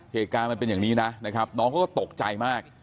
เหตุการณ์มันเป็นอย่างนี้นะนะครับน้องเขาก็ตกใจมาก